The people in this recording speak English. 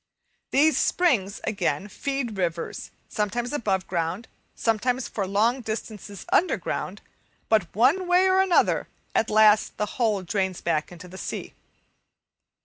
These springs, again, feed rivers, sometimes above ground, sometimes for long distances under ground; but one way or another at last the whole drains back into the sea.